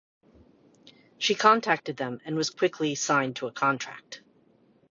She contacted them and was quickly signed to a contract.